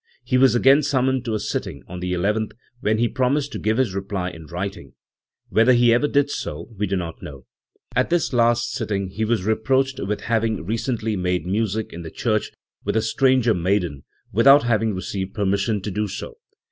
He was again summoned to a sitting, on the eleventh, when he promised to give his reply in writing. Whether he ever did so we do not know. At this last sitting he was reproached with having re cently "made music" in the church with a "stranger maiden", without having received permission to do so.